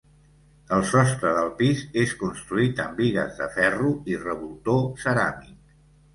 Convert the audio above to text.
El sostre del pis és construït amb bigues de ferro i revoltó ceràmic.